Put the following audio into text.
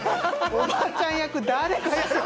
おばあちゃんがやる。